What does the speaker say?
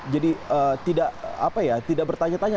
jadi tidak bertanya tanya